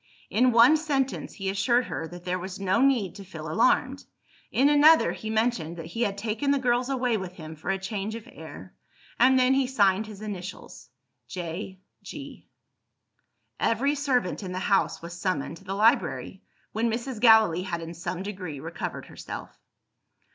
In one sentence, he assured her that there was no need to feel alarmed. In another, he mentioned that he had taken the girls away with him for a change of air. And then he signed his initials J. G. Every servant in the house was summoned to the library, when Mrs. Gallilee had in some degree recovered herself.